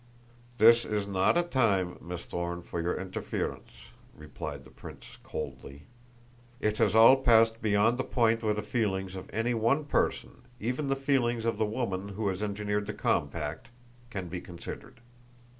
"This is not a time, Miss Thorne, for your interference," replied the prince coldly. "It has all passed beyond the point where the feelings of any one person, even the feelings of the woman who has engineered the compact, can be considered.